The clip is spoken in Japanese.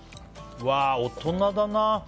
うわ、大人だな。